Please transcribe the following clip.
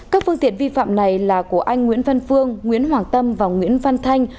các phương tiện vi phạm này là của anh nguyễn văn phương nguyễn hoàng tâm và nguyễn văn thanh